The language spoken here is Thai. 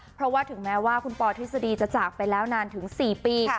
เพราะว่าถึงแม้ว่าคุณปอทฤษฎีจะจากไปแล้วนานถึง๔ปี